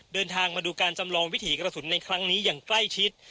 เดินทางมาดูการจำลองวิถีกระสุนในครั้งนี้อย่างใกล้ชิด